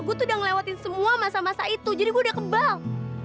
gua tuh udah ngelewatin semua masa masa itu jadi gua udah kebang